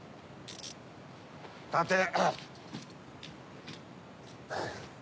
立て！